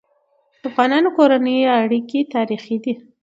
د افغانانو کورنی اړيکي تاریخي دي.